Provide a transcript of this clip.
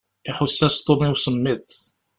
Iḥuss-as Tom i usemmiḍ.